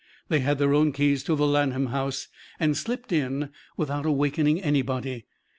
They had their own keys to the Lanham house and slipped in without awakening anybody.